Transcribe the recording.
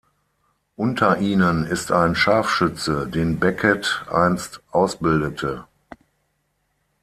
Unter ihnen ist ein Scharfschütze, den Beckett einst ausbildete.